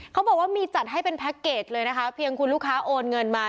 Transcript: เขาบอกว่ามีจัดให้เป็นแพ็คเกจเลยนะคะเพียงคุณลูกค้าโอนเงินมา